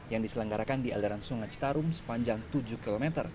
yang diselenggarakan di aliran sungai citarum sepanjang tujuh km